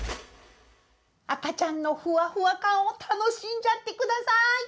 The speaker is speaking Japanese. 赤ちゃんのフワフワ感を楽しんじゃってください！